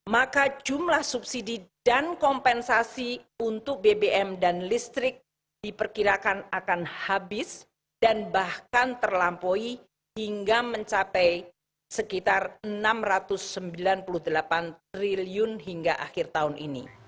maka jumlah subsidi dan kompensasi untuk bbm dan listrik diperkirakan akan habis dan bahkan terlampaui hingga mencapai sekitar rp enam ratus sembilan puluh delapan triliun hingga akhir tahun ini